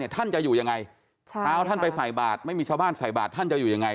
ท่านจะอยู่ยังไงเช้าท่านไปใส่บาทไม่มีชาวบ้านใส่บาทท่านจะอยู่ยังไง